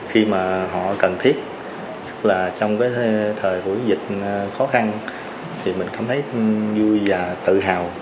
khi mà họ cần thiết là trong cái thời buổi dịch khó khăn thì mình cảm thấy vui và tự hào